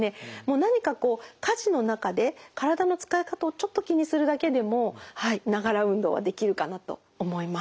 何かこう家事の中で体の使い方をちょっと気にするだけでもながら運動はできるかなと思います。